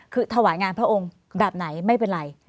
คือถวายงานพระองค์แบบไหนไม่เป็นไร